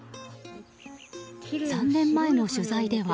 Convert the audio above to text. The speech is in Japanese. ３年前の取材では。